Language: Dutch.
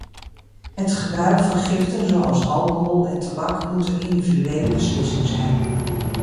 Het gebruik van giften zoals alcohol en tabak moet een individuele beslissing zijn.